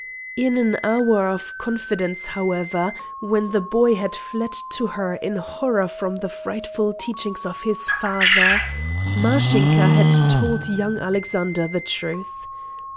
In an hour of confidence, however, when the boy had fled to her in horror from the frightful teachings of his father, Mashinka had told young Alexander the truth.